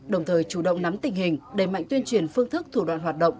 đồng thời chủ động nắm tình hình đẩy mạnh tuyên truyền phương thức thủ đoạn hoạt động